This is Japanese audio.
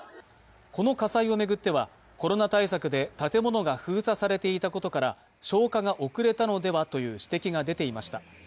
この火災を巡っては、コロナ対策で建物が封鎖されていたことから消火が遅れたのではという指摘が出ていました。